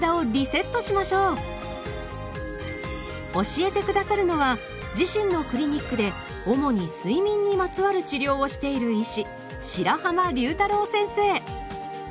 教えて下さるのは自身のクリニックで主に睡眠にまつわる治療をしている医師